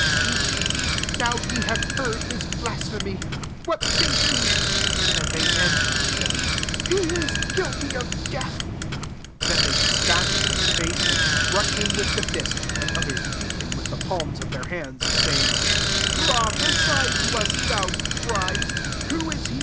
see, now ye have heard [hisj blasphemy. 66 What think ye ?'' And they answering, siod^ *« He is guilty of death. GT Then they spat in his face, and struck him with the fist, ai^d others beat him with the pahna of their hands; 68 sayings " Proj^esy to us, thou Christ, •SAKTTHEW X